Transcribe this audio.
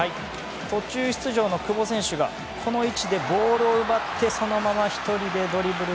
途中出場の久保選手がこの位置でボールを奪ってそのまま１人でドリブル。